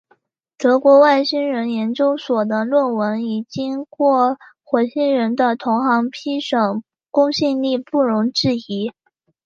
德国外星人研究所的论文已经过火星人的同行审批，公信力不容置疑。